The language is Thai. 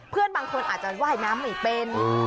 เพื่อนบางคนอาจจะว่ายน้ำไม่เป็น